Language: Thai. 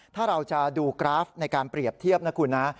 ถ้าเราจะดูกราฟในการเปรียบเทียบนะคุณนะ